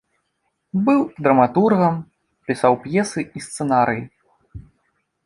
Быў драматургам, пісаў п'есы і сцэнарыі.